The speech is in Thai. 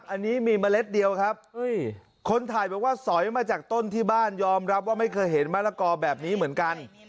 อันนี้มีเมล็ดเดียวครับคนถ่ายบอกว่าสอยมาจากต้นที่บ้านยอมรับว่าไม่เคยเห็นมะละกอแบบนี้เหมือนกัน